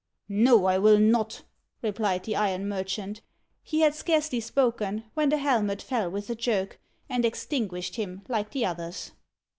"No, I will not," replied the iron merchant. He had scarcely spoken, when the helmet fell with a jerk, and extinguished him like the others.